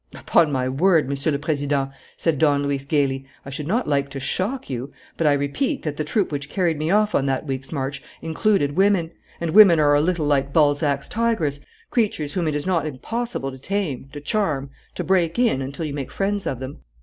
"Upon my word, Monsieur le Président," said Don Luis gayly, "I should not like to shock you. But I repeat that the troop which carried me off on that week's march included women; and women are a little like Balzac's tigress, creatures whom it is not impossible to tame, to charm, to break in, until you make friends of them."